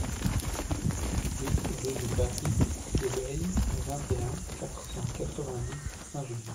huit rue du Pâtis de Bey, vingt et un, quatre cent quatre-vingt-dix, Saint-Julien